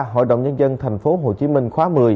hội đồng nhân dân tp hcm khóa một mươi